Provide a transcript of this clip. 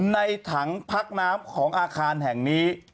ในถังพักน้ำของอาคารแห่งนี้